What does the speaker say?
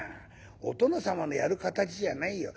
お殿様のやる形じゃないよ。